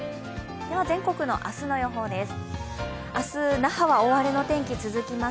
全国の明日の予報です。